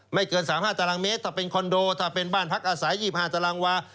เกิน๓๕ตารางเมตรถ้าเป็นคอนโดถ้าเป็นบ้านพักอาศัย๒๕ตารางวา